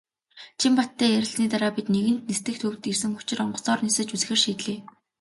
Чинбаттай ярилцсаны дараа бид нэгэнт "Нислэг" төвд ирсэн учир онгоцоор нисэж үзэхээр шийдлээ.